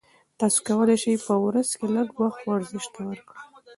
تاسي کولای شئ په ورځ کې لږ وخت ورزش ته ورکړئ.